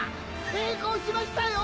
成功しましたよ！